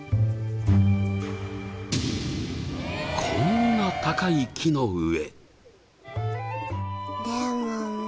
こんな高い木の上。